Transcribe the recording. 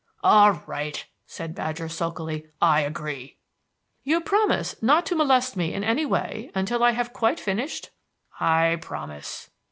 "All right," said Badger sulkily. "I agree." "You promise not to molest me in any way until I have quite finished?" "I promise."